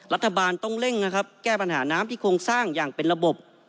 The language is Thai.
รัฐบาลต้องเร่งนะครับแก้ปัญหาน้ำที่โครงสร้างอย่างเป็นระบบ